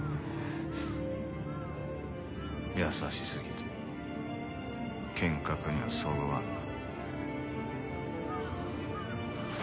優し過ぎて剣客にはそぐわんな。